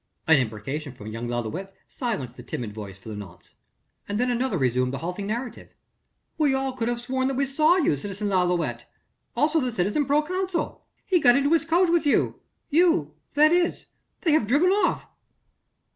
An imprecation from young Lalouët silenced the timid voice for the nonce ... and then another resumed the halting narrative. "We all could have sworn that we saw you, citizen Lalouët, also the citizen proconsul.... He got into his coach with you ... you ... that is ... they have driven off...."